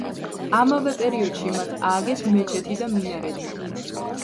ამავე პერიოდში მათ ააგეს მეჩეთი და მინარეთი.